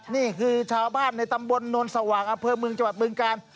นี่คือชาวบ้านในตำบลนวลสว่างอำเภอเมืองจังหวัดบึงกาล